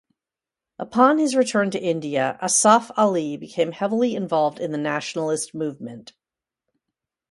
Upon his return to India, Asaf Ali became heavily involved in the nationalist movement.